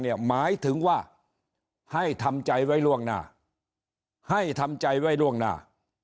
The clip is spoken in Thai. หมายถึงว่าให้ทำใจไว้ล่วงหน้า